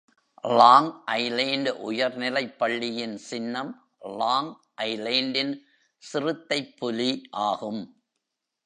Long Island உயர்நிலைப் பள்ளியின் சின்னம், லாங்க் ஐலேண்டின் சிறுத்தைப் புலி ஆகும்.